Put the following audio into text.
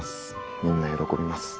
みんな喜びます。